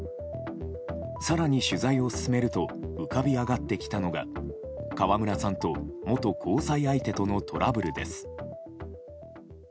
更に取材を進めると浮かび上がってきたのが川村さんと元交際相手とのトラブルです。